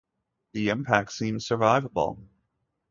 The impact seemed survivable.